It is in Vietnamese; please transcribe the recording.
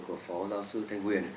của phó giáo sư thanh nguyên